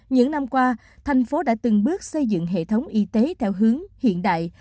những năm qua thành phố đã từng bước xây dựng hệ thống y tế theo hướng hiện đại